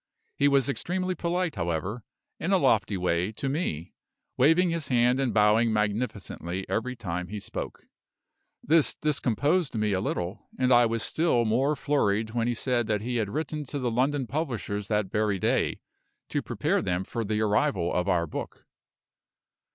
He was extremely polite, however, in a lofty way, to me, waving his hand and bowing magnificently every time he spoke. This discomposed me a little; and I was still more flurried when he said that he had written to the London publishers that very day, to prepare them for the arrival of our book.